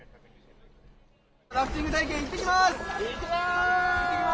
ラフティング体験行ってきます！